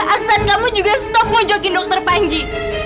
aksan kamu juga berhenti menjogin dokter panji